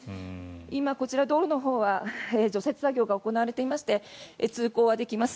今、こちら、道路のほうは除雪作業が行われていまして通行はできます。